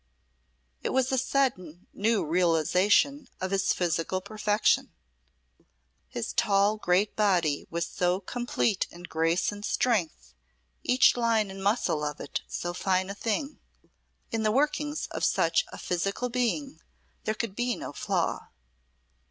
It was a sudden new realisation of his physical perfection. His tall, great body was so complete in grace and strength, each line and muscle of it so fine a thing. In the workings of such a physical being there could be no flaw.